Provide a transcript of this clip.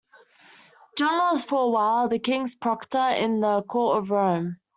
John was, for a while, the King's proctor in the Court of Rome.